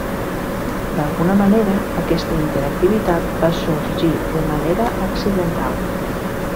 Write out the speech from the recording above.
D'alguna manera, aquesta interactivitat va sorgir de manera accidental.